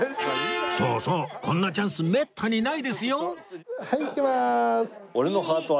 そうそうこんなチャンスめったにないですよ！はいいきまーす。